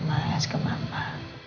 malas ke mama